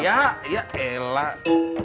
ya ya elah